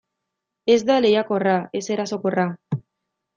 Ez da lehiakorra, ez erasokorra.